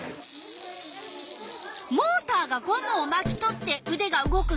モーターがゴムをまき取ってうでが動くんだね。